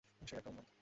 সে একটা উম্মাদ!